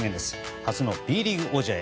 初のＢリーグ王者へ。